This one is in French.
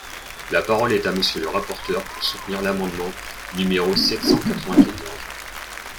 La parole est à Monsieur le rapporteur, pour soutenir l’amendement numéro sept cent quatre-vingt-quatorze.